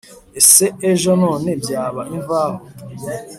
ese ejo none byaba imvaho ‘